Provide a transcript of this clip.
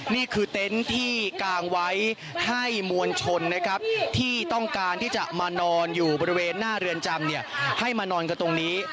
นี่คือเต็นต์ที่กางไว้ให้มวลชนนะครับที่ต้องการที่จะมานอนอยู่บริเวณหน้าเรือนจำให้มานอนกันตรงนี้